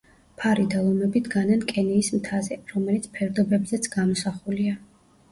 ფარი და ლომები დგანან კენიის მთაზე, რომელიც ფერდობებზეც გამოსახულია.